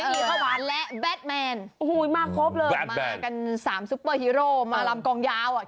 อีฮะวานและแบทแมนแบทแมนมากัน๓ซุเปอร์ฮีโร่มาลำกองยาว